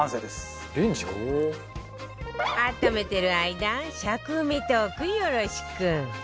温めてる間尺埋めトークよろしく